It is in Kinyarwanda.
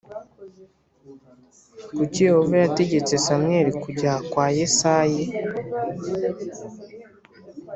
Kuki yehova yategetse samweli kujya kwa yesayi